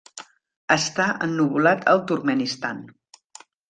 Està ennuvolat al Turkmenistan.